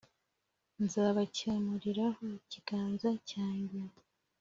Nzabacyamuriraho ikiganza cyanjye